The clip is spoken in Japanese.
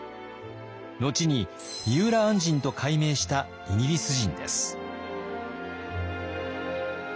後に三浦按針と改名したイギリス人です。